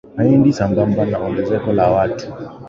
haiendi sambamba na ongezeko la watu